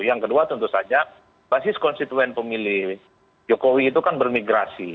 yang kedua tentu saja basis konstituen pemilih jokowi itu kan bermigrasi